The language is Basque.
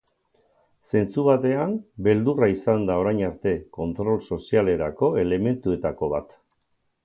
Zentzu batean, beldurra izan da orain arte kontrol sozialerako elementuetako bat.